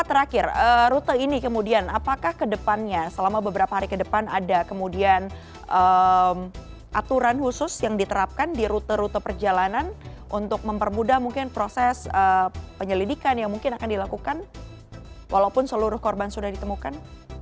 terakhir rute ini kemudian apakah kedepannya selama beberapa hari ke depan ada kemudian aturan khusus yang diterapkan di rute rute perjalanan untuk mempermudah mungkin proses penyelidikan yang mungkin akan dilakukan walaupun seluruh korban sudah ditemukan